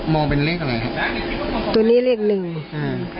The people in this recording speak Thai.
มองเป็นเลขอะไรครับ